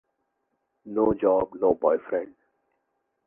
No job, no boyfriend